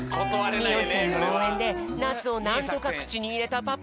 みおんちゃんのおうえんでナスをなんとかくちにいれたパパ。